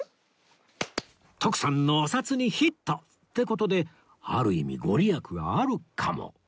徳さんのお札にヒット！って事である意味御利益があるかも